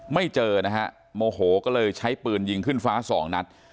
ไม่เจอนะฮะโมโหก็เลยใช้ปืนยิงขึ้นฟ้าสองนัด